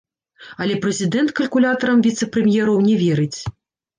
Але прэзідэнт калькулятарам віцэ-прэм'ераў не верыць.